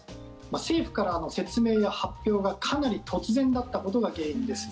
政府から説明や発表がかなり突然だったことが原因です。